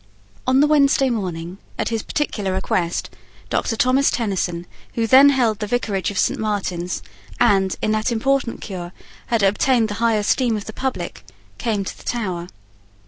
On the Wednesday morning, at his particular request, Doctor Thomas Tenison, who then held the vicarage of Saint Martin's, and, in that important cure, had obtained the high esteem of the public, came to the Tower.